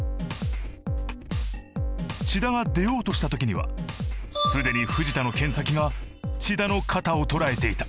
千田が出ようとしたときにはすでに藤田の剣先が千田の肩を捉えていた。